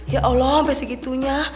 ya allah sampai segitunya